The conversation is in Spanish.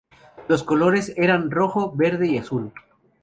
Los colores eran rojo, verde y azul.